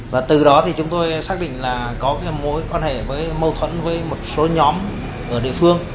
và từ đó thì chúng tôi xác định là có mối quan hệ với mâu thuẫn với một số nhóm ở địa phương